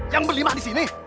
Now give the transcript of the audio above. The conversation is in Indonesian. yang berlimah di sini